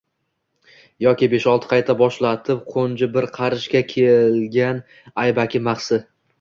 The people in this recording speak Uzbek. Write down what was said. Yoki “besh-olti qayta boshlatib qo’nji bir qarichga kelgan aybaki mahsi